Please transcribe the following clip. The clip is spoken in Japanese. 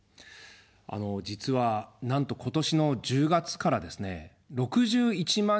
実は、なんと今年の１０月からですね、６１万